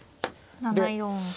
７四歩。